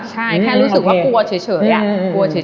ใช่แค่รู้สึกว่ากลัวเฉยอะ